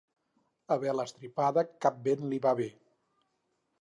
A vela estripada cap vent li va bé.